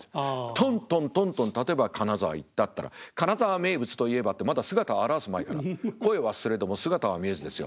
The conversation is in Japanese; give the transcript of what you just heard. とんとんとんとん例えば金沢行ったっていったら「金沢名物といえば」ってまだ姿を現す前から声はすれども姿は見えずですよ。